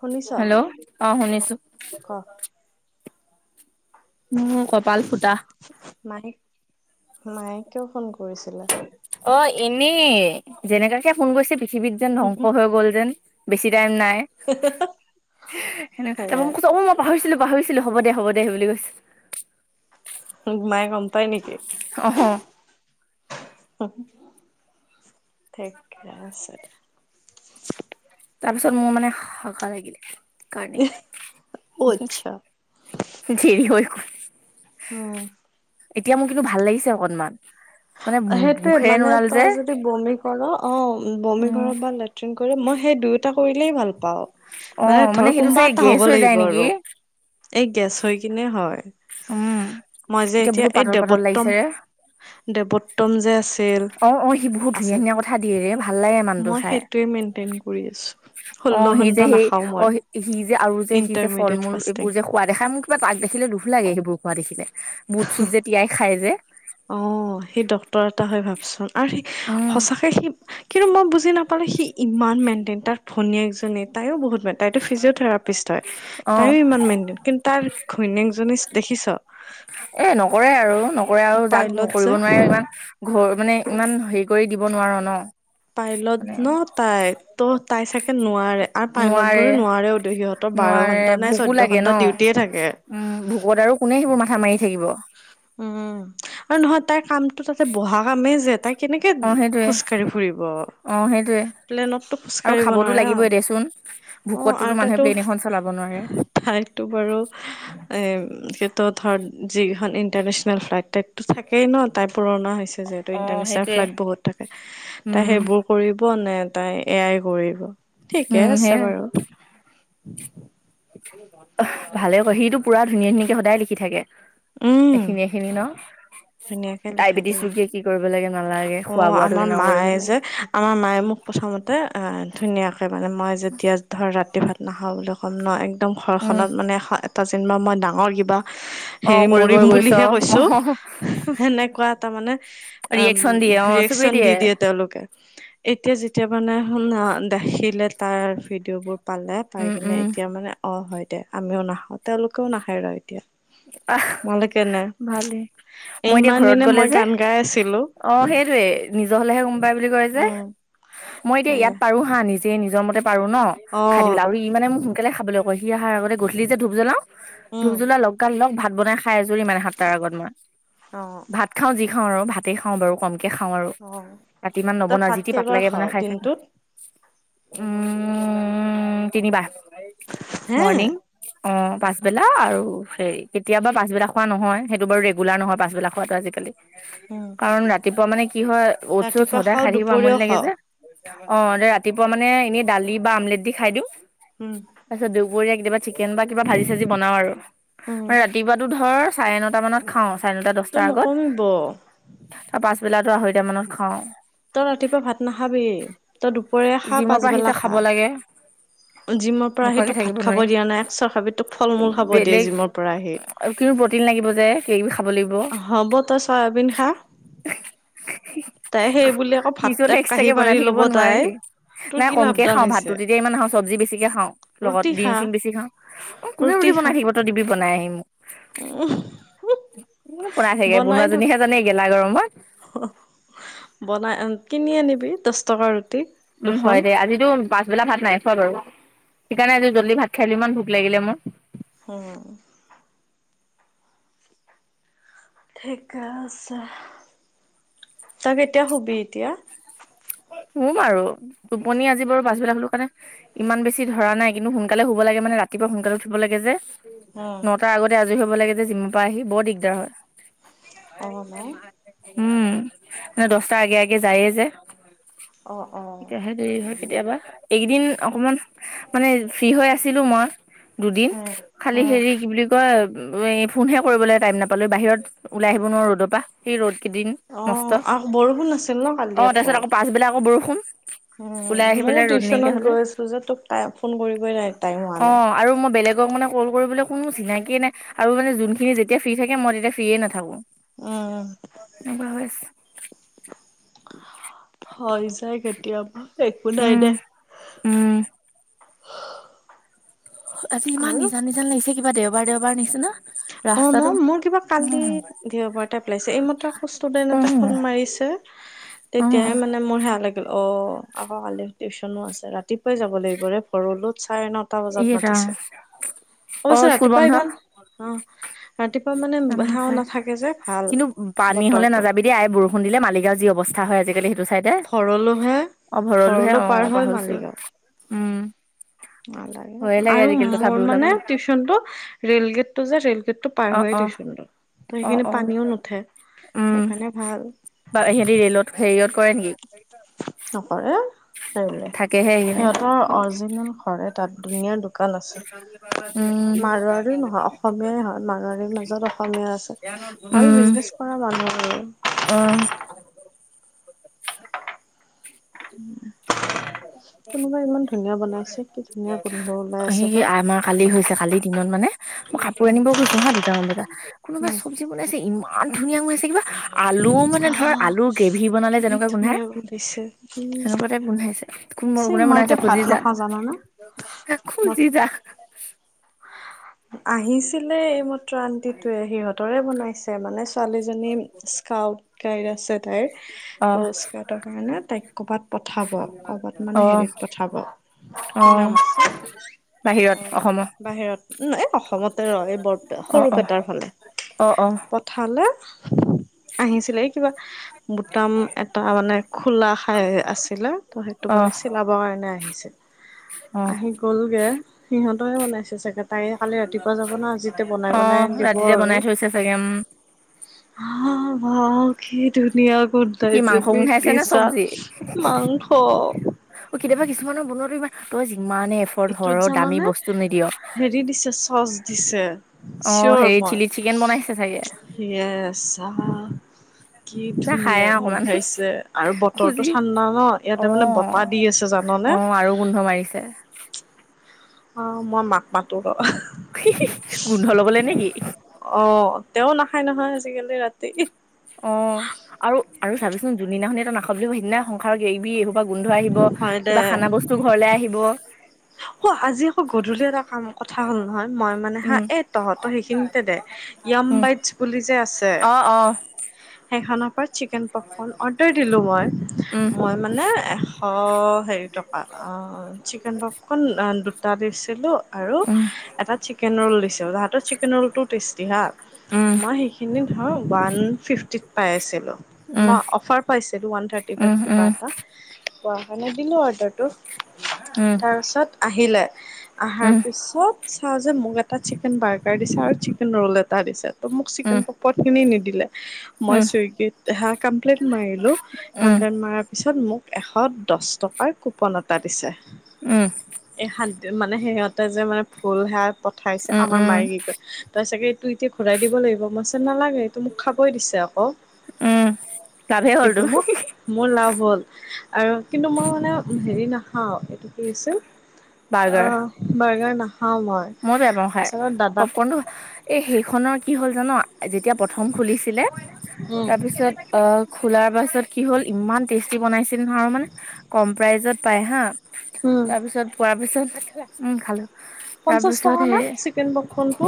শুনিছ? হেল্ল' অ', ক? উম, কপাল ফুটা। মায়েক, মায়ে কিয় ফোন কৰিছিলে? অ', এনেই যেনেকাকে ফোন কৈছে পৃথিৱীত যেন ধ্বংস হৈ গল যেন। বেছি টাইম নাই। তাৰপৰা হেৰে মোক কৈছে, অ মা পাহৰিছিলোঁ-পাহৰিছিলোঁ হ'ব দে-হ'ব দে বুলি কৈছে। মায়ে গম পায় নেকি? অ', সহ। ঠিকে আছেতে। তাৰপিছত মোৰ মানে সাগা লাগিলে, সেই কাৰণে। অ' আচ্ছা দেৰী হৈ গল। উম। এতিয়া মোৰ কিন্তু ভাল লাগিছে অকনমান, মানে মুখেৰে নলাল যে। অ', অ', বমি উম। কৰোঁ বা লেট্ৰিন কৰোঁ মই সেই দুই এটা কৰিলেই ভাল পাওঁ অ মানে ধৰ সেইটো কোনমবা চাগে এটা গেছ হ'ব হৈ যায় লাগিব নেকি আৰু। এই গেছ হৈ কিনে হয়। উম মই যে এতিয়া বহুত এই পাতল পাতল দেৱত্তম লাগিছে ৰে। দেৱত্তম জেচ অ অ সি বহুত ধুনীয়া-ধুনীয়া কথা দিয়ে ৰে, ভাল লাগে মানুহটো মই চাই। সেইটোৱে মেইনটেইন কৰি আছোঁ। অ ষোল্ল সেই ঘন্টা যে সেই, নাখাওঁ অ মই। সি যে আৰু যে সি যে ইণ্টাৰমিডিয়েট ফল-মূল ফাষ্টিং এইবোৰ যে খোৱা দেখাই মোৰ কিবা তাক দেখিলে লোভ লাগে সেইবোৰ খোৱা দেখিলে। বুট-চুট যে তিয়াই খাই যে। অ, সি ডক্তৰ এটা হৈ ভাবচোন আৰু সি উম সঁচাকে সি কিন্তু মই বুজি নাপালোঁ সি ইমান মেনটেইন তাৰ ভনীয়েক জনি, তাইও বহুত মেনটেন তাইতো ফিজিঅথেৰাপিষ্ট হয় অ তাইও ইমান মেইনটেইন, কিন্তু তাৰ ঘৈণীয়েকজনী দেখিছ এ নকৰে আৰু নকৰে আৰু যাক পাইলত যে নকৰিব নোৱাৰে ইমান ঘৰ মানে ইমান হেৰি কৰি দিব নোৱাৰ ন? পাইলট মানে ন' তাই। ত' তাই চাগে নোৱাৰে আৰু পাইলট নোৱাৰে বোৰে নোৱাৰেও ত' সিহঁতৰ বাৰ নোৱাৰে ঘন্টা নাই ভোকো চৈধ্য লাগে ন ঘন্টা ডিউটিয়ে থাকে। উম ভোকত আৰু কোনে সেইবোৰ মাথা মাৰি থাকিব? উম, আৰু নহয় তাইৰ কামটো তাতে বহা কামেই যে তাই কেনেকে অ সেইটোয়ে খোজ কাঢ়ি ব। অ সেইটোয়ে প্লেনতটো আৰু খোজকাঢ়িব খাবতো নোৱাৰে লাগিবই ন', দেচোন অ ভোকতটোতো আৰু মানুহে তাইতো প্লেন এখন চলাব নোৱাৰে ঠাইতটো বাৰু এম, সেইটো ধৰ যিগিখন ন ইণ্টাৰনেচনেল ফ্লাইট তাততো থাকেই ন তাই পুৰণা হৈছে যিহেতু অ ইন্টাৰনেচনেল সেইটোয়ে ফ্লাইট বহুত থাকে, তাই উম সেইবোৰ কৰিব নে তাই এয়াই কৰিব। ঠিকে উম সেয়াই আছে বাৰু। ভালে কয় সিটো পুৰা ধুনীয়া-ধুনীয়াকে সদায় লিখি থাকে। উম এইখিনি এইখিনি ন'? ধুনীয়াকে লিখা ডায়েবেটিছ দেই ৰোগীয়ে কি কৰিব লাগে নালাগে? অ খোৱা-বোৱাটো আমাৰ কেনেকুৱা কৰিব মায়ে লাগে? যে আমাৰ মায়ে মোক প্ৰথমতে ধুনীয়াকে মানে মই যেতিয়া ধৰ ৰাতি ভাত নাখাওঁ বুলি কম ন' একদম উম ঘৰখনত মানে এটা যেনিবা মই ডাঙৰ কিবা অ হেৰি কৰিব মৰিম গৈছ বুলিহে অ কৈছো সেনেকুৱা এটা মানে অম ৰিয়েকচন দিয়ে অ চবেই ৰিয়েকচন দি দিয়ে তেওঁলোকে। এতিয়া যেতিয়া মানে শুনা দেখিলে তাৰ ভিডিঅ' বোৰ পালে, পাই উম কিনে উম এতিয়া মানে অ হয় দে আমিও নাখাও। তেওঁলোকেও নাখায় ৰ এতিয়া। আহ, নহ'লে কেনে ভালেই। মই এতিয়া ইমান ঘৰত দিনে গলে মই যে, গান গাই আছিলো অ সেইটোয়ে নিজৰ হলেহে গম পায় বুলি কয় যে। উম মই এতিয়া সেয়া ইয়াত পাৰো হা নিজে নিজৰ মতে পাৰো ন'। অ খাই দিবলে আৰু ই মানে মোৰ সোনকালে খাবলৈ কয়। সি আহাৰ আগতে গধূলি যে ধূপ জ্বলাও, ধূপ উম জ্বলোৱা লগ লগা লগ ভাত বনাই খাই আজৰি মানে সাতটাৰ আগত মই। অহ। ভাত খাওঁ যি খাওঁ আৰু ভাতে খাওঁ বাৰু কম কে খাওঁ আৰু, অ ৰাতি ইমান তই নবনাও, ভাত যিটি কেইবাৰ পাতলাকে খাৱ বনাই খাই থৈ থই দিনটোত উম, তিনিবাৰ হে মৰ্ণিং অ পাছবেলা আৰু সেই কেতিয়াবা পাছবেলা খোৱা নহয় সেইটো বাৰু ৰেগুলাৰ নহয় পাছবেলা খোৱাটো আজিকালি। উম। কাৰণ ৰাতিপুৱা মানে কি হয় অ'ট্চ-চৌত ৰাতিপুৱা সদায় খাই খাওঁ থাকিব দুপৰীয়াও আমনি লাগে খাওঁ যে। অ দে ৰাতিপুৱা মানে এনেই দালি বা অমলেট দি খাই দিওঁ। উম। তাৰপিছত দৌবৰীয়া কিবা চিকেন বা কিবা ভাজি-চাজি বনাও আৰু। উম মানে ৰাতিপুৱাটো ধৰ চাৰে নটা মানত খাওঁ, চাৰে তোৰ নটা-দছটাৰ নকমিব আগত। তাৰ পাছবেলাটো আঢ়ৈটা মানত খাও। তই ৰাতিপুৱা ভাত নাখাবি, তই দুপৰীয়া খা, জিমৰ পৰা আহি যে পাছবেলা খাব খা। লাগে জিমৰ পৰা আহি নোখোৱাকে তোক থাকিব ভাত খাব নোৱাৰি দিয়া নাই একচৰ খাবি, তোক ফল-মূল খাব দিয়ে জিমৰ পৰা আহি। আৰু [unintelligible] প্ৰটিন লাগিব যে। কিবা-কিবি খাব লাগিব। হ'ব তই চয়াবিন খা। তাই সেই বুলি আকৌ ভাত নিজলে এক কাঁহি এক্সট্ৰাকে বনাই পাৰি থাকিব ল'ব তাই নোৱাৰি। তোৰ নাই কি কমকে লাভডাল খাওঁ ভাততো হৈছে তেতিয়া ইমান নাখাও, চব্জি বেছিকে খাওঁ, লগত ৰুটি খা ডিম-চিম বেছি খাওঁ। অ কোনে ৰুটি বনাই থাকিব, তই দিবি বনাই আহি মোক। কোনে বনাই থাকে? বনোৱা জনীহে জানে গেলা গৰমত। অহ, বনাই কিনি আনিবি দছ টকাৰ ৰুটি। উম, দুখন হয় দে আজিতো পাছবেলা ভাত নাই খোৱা বাৰু। সেইকাৰণে আজি জল্দি ভাত খাই দিলোঁ, ইমান ভোক লাগিলে মোৰ। উম। ঠিকে আছে। তই কেতিয়া শুবি এতিয়া? শুম আৰু, টোপনি আজি বাৰু পাছবেলা শুলো কাৰণে ইমান বেছি ধৰা নাই কিন্তু সোনকালে হুব লাগে মানে ৰাতিপুৱা সোনকালে উঠিব লাগে যে। উম নটাৰ আগতে আজৰি হব লাগে যে জিমৰ পৰা আহি, বৰ দিগদাৰ হয়। অ ন উম, মানে দছটাৰ আগে আগে যায়ে যে। অ', অ'। তেতিয়াহে হয় কেতিয়াবা, এইকেইদিন অকণমান মানে ফ্ৰী হৈ আছিলোঁ মই। দুদিন, উম খালি উম হেৰি কি বুলি ক কয়, এই ফোনহে কৰিবলে টাইম নাপালো বাহিৰত ওলাই আহিব নোৱাৰোঁ ৰ'দৰ পৰা, সেই ৰ'দ কেইদিন। মস্ত অ', আ বৰষুণ আছিল ন কালি আকৌ। আগবেলা আকৌ বৰষুণ। উম ওলাই আহিবলে ময়ো ৰ'দ নাইকিয়া টিউচনত হলে। গৈ আছিলো যে তোক টাই ফোন কৰিবই নাই টাইম হোৱা নাই অ', আৰু মই বেলেগ মোৰ মানে ক'ল কৰিবলৈ কোনো চিনাকিয়ে নাই আৰু মানে যোনখিনি যেতিয়া ফ্ৰী থাকে মই তেতিয়া ফ্ৰীয়ে নাথাকোঁ। উম। এনেুৱা হৈ আছ হৈ যায় কেতিয়াবা, একো নাই দে। উম উম। আজি ইমান আৰু নিজান-নিজান লাগিছে কিবা দেওবাৰ দেওবাৰ নিচিনা অ' ন, ৰাস্তাটো মোৰ কিবা কালি দেওবাৰ টাইপ লাগিছে। এই মাত্ৰ আকৌ ষ্টুডেণ্ট এটা উম ফোন মাৰিছে উম উম তেতিয়াহে মানে মোৰ হেয়া লাগ অ', আকৌ কালি টিউচনো আছে, ৰাতিপুৱাই যাব লাগিব ৰে ভৰলোত চাৰে ন এটা ই বজাত ৰাম মাতিছে। অ অৱশ্যে স্কুল ৰাতিপুৱা ইমান অ ৰাতিপুৱা মানে নাম সেৱা নাখায়, নাথাকে যে ভাল কিন্তু পানী হলে বতৰটো নাযাবি এয়া বৰষুণ দিলে মালিগাঁও যি অৱস্থা হয় আজিকালি সেইটো চাই দে, ভৰলোহে অ' ভৰলোহে ভৰলো পাৰ অ', হৈ পাহৰিছো উম। লাগে, ভয়ে আৰু আজিকালি তথাপি মোৰ মানে ওলাবলে টিউচনটো ৰেইল গেটটো যে ৰেইল গেটটো পাৰ অ হৈ অ টিউচনটো। ত' অ সেইখিনি অ পানীও নুঠে উম সেইকাৰণে ভাল। বা সিহঁতি ৰে'লত হেৰিত কৰে নিকি? নকৰ, থাকেহে সেইখিনি সিহঁতৰ অৰিজিনেল ঘৰে তাত দুুনীয়া দু দুকান আছে। মাৰোৱাৰীও নহয়, অসমীয়াই হয় মাৰোৱাৰীৰ মাজত অসমীয়া আছে। উম। অ', মানুহ [unintelligible] অ'। [unintelligible] কোনোবা ইমান ধুনীয়া বনাইছে, কি ধুনীয়া গোন্ধ ওলাই আছে সেই পাই। আমাৰ কালি হৈছে, কালিৰ দিনত মানে মই কাপোৰ উম আনিব গৈছো হা দুটামান বজাত কোনোবা উম চব বনাইছে ইমান ধুনীয়া গুনাইছে কিবা, আলুও মানে ধৰ আলু গ্ৰেভি বনালে যেনেকুৱা গোন্ধাই। দিছে, উম। সেনেকুৱা টাইপ গোন্ধাইছে চি [unintelligible] মই বনাইছে এতিয়া ভাত খুজি যা, নাখাওঁ জানানে। খুজি যা। আহিছিলে এইমাত্ৰ আন্টিটয়ে সিহঁতৰে বনাইছিল। মানে ছোৱালীজনী স্কাউট গাইড আছে তাইৰ, অ ত' স্কাউট কাৰণে তাই কবাত পঠাব, কবাত অ মানে হেৰিত পঠাব অ কি নাম আছে? অ বাহিৰত অসমৰ বাহিৰত ন? এই অসমতে ৰ এই বৰপে অ সৰু অ পেটাৰ ফালে। অ অ পঠালে, আহিছিল এই কিবা বুটাম এটা মানে খোলা খাই আছিলে ত, সেইটো অ মানে চিলাবৰ কাৰণে আহ আহিছে। অ'। আহি গ'লগে, সিহঁতে বনাইছে চাগে। তাৰে কালি ৰাতিপুৱা যাব ন, আজিতেয়া অ বনাই-বনাই দিব ৰাতিতে বনাই আৰু। থৈছে চাগে উম হ ৱাও, কি ধুনীয়া গোন কি মাংস [unintelligible] গোন্ধাইছে নে বিটিছা চব্জি মাংস। অ', কেতিয়াবা কিছুমানৰ বনোৱা ইমান তই যিমানে এইটোত ঘৰৰ দামী জানানে বস্তু নিদিয় হেৰি দিছে চচ দিছে অ, হেই চিলি চিকেন বনাইছে চাগে। য়েছ অহ কি যা খাই ধুনীয়া আহ অকমান গন্ধাইছে আৰু খুজি বতৰটো ঠাণ্ডা ন? অ ইয়াতে মানে বতাহ দি আছে অ জাননে? আৰু গোন্ধ মাৰিছে অ', মই মাক মাতো ৰ। হি-হি গোন্ধ ল'ব লৈ নেকি? অ', তেও নাখায় নহয় আজিকালি ৰাতি। অ', আৰু - আৰু চাবিচোন যোনদিনাখন তই নাখাও বুলি ক সেইদিনাই সংসাৰৰৰিবি গোন্ধ আহিব হয় দে কিবা খানা বস্তু ঘৰলে আহিব। অ', আজি আকৌ গধূলি এটা কাম কথা হ'ল নহয় মই মানে হা উম এ তহঁতৰ সেইখিনিতে দে য়াম উম বাইটছ বুলি যে আছে? অ', অ'। এখন ওৰত [unintelligible] চিকেন পপকন অৰ্ডাৰ দিলো মই। উম মই মানে এশ হেৰি টকা আহ চিকেন পাপকন দুটা দিছিলোঁ আৰু উম এটা চিকেন ৰল দিছোঁ। তাহাঁতৰ চিকেন ৰলটো টেষ্টি হা। উম মই তিনিদিন ধৰ ওৱান ফিফটিত পাই আছিলোঁ। মই অফাৰ পাইছিলোঁ one thirty um five um কিবা উম এটা, পোৱা কাৰণে দিলো অৰ্ডাৰটো উম। তাৰপিছত আহিলে, আহাৰ উম পিছত চাও যে মোক এটা চিকেন বাৰ্গাৰ দিছে আৰু চিকেন ৰল এটা দিছে, ত মোক উম চিকেন পখিনি নিদিলে উম উম মই চুইগ কমপ্লেইন মাৰিলোঁ, উম কমপ্লেইম মাৰা তাৰপিছত মোক এশ দহ টকাৰ কুপন এটা দিছে। উম। এই মানে সিহঁতে যে মানে ভুল হে পঠাইছে আমাৰ উম মাৰে কি কয় তই চাগে এইটো এতিয়া ঘূৰাই দিব লাগিব মইছে নালাগে এইটো মোক খাবই দিছে আকৌ। উম লাভেই কিন্তু হ'লতো মোক মোৰ লাভ হ'ল। আৰু কিন্তু মই মানে হেৰি নাখাওঁ এইটো কি হৈছে অ, বাৰ্গাৰ নাখাও মই। মইও বেয়া পাওঁ খায়। তাৰপিছত দাদাক পপকনটো এই সেইখনৰ কি হ'ল জান? যেতিয়া প্ৰথম খুলিছিলে, তাৰপিছত অ, খোলাৰ পাছত কি হ'ল ইমান টেষ্টি বনাইছিল নহয় মানে কম প্ৰাইজত পায় হা। উম তাৰ পিছত পোৱাৰ পিছত, উম খালোঁ। পঞ্চাছ তাৰপিছত টকা নে হেই চিকেন পপকৰ্ণটো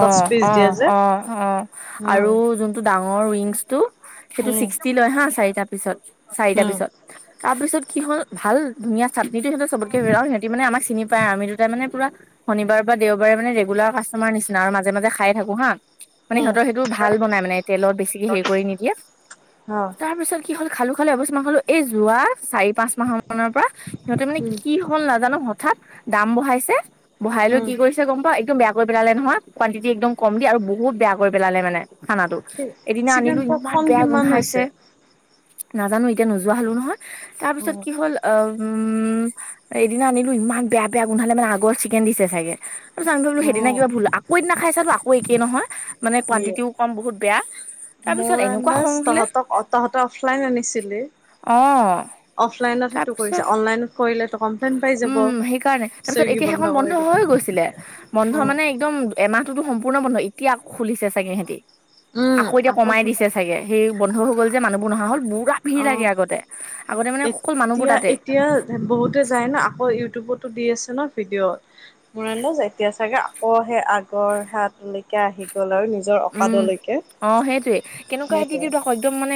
দহ পিচ দিয়ে অ', যে অ', অ', উম আৰু যোন টো ডাঙৰ উইংছ টো সেইটো উম ছিক্সটি লয় হা চাৰিটা পিছত-চাৰিটা উম পিছত। তাৰপিছত কি হল ভাল ধুনীয়া চাত্নিটো সিহঁত চবতকে বিৰাও সিহঁতি মানে চিনি পাই আৰু আমিতো মানে পুৰা শনিবাৰ বা দেওবাৰে মানে ৰেগুলাৰ কাষ্টমাৰ নিচিনা আৰু মাজে-মাজে খাই থাকো হা। মানে উম সিহঁতৰ সেইটো ভাল বনাই মানে তেলত বেছিকে হেৰি কৰি নিদিয়ে। অ' তাৰপিছত কি হ'ল খালো খালো এবছ মান খালো এই যোৱা চাৰি পাঁচ মাহৰ মৰ পৰা সিহঁতে মানে উম কি হল নাজানো হঠাৎ দাম বঢ়াইছে বঢ়াই লৈ উম কি কৰিছে গম পাও একদম বেয়া কৰি পেলালে নহয় কুৱানটিটি একদম কম দি আৰু বহুত বেয়া কৰি পেলালে মানে। খানাটো। এদিন চিকেন আনিলো ইমান পপকৰ্ণ বেয়া কিমান গোন্ধাইছে হৈছে নাজানো এতিয়া নোযোৱা হলোঁ নহয়। তাৰ পিছত অ' কি হ'ল উম, এদিনা আনিলোঁ, ইমান বেয়া-বেয়া গোন্ধালে মানে আগৰ চিকেন দিছে চাগে। তাৰিছ [unintelligible] সেইদিনা অ' কিবা ভুল আকৌ এদিনা খাই চালোঁ আকৌ একেই নহয় ইয়ে কুৱানটিওম বহুত বেয়া। তাৰ পিছত মোৰ এনেকুৱা আন্দাজ খং উঠিলে তহঁতক তাহঁতে অফলাইন আনিছিলি? অ অফলাইনত সেইটো তাৰপিছত কৰিছে অনলাইনত কৰিলেটো কম। উম সেইকাৰণে তাৰ পিছত এতিয়া সেইখন বন্ধ কৰি দিব হৈ গৈছিলে, বন্ধ উম মানে একদম এমাহটোতো সম্পূৰ্ণ বন্ধ এতিয়া আকৌ খুলিছে চাগে সেতি আকৌ এতিয়া কমাই দিছে সেইয়ে সেই বন্ধ হৈ গ'ল যে মানুহবোৰ নহা হল পোৰা ভিৰ অ' লাগে আগতে আগতে মানে অকল মানুহবোৰ এতিয়া তাতে। এতিয়া বহুতে যায় ন আকৌ ইউটিউবতো দি আছে ন ভিডিঅ'ত। মৰেন যে এতিয়া চাগে আকৌ সেই আগৰ হাতলৈকে আহি গ'ল আৰু নি। উম অ সেইটোৱে কেনেকুৱা সেইটোৱে অতিতিউদ একদম মানে